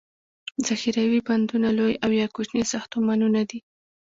ذخیروي بندونه لوي او یا کوچني ساختمانونه دي.